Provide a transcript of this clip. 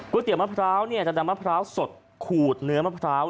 เตี๋ยมะพร้าวจะนำมะพร้าวสดขูดเนื้อมะพร้าว